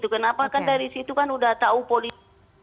kenapa kan dari situ kan udah tahu polisi